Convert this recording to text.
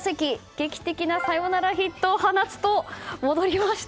劇的なサヨナラヒットを放つと戻りました